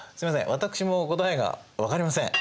私も答えが分かりません。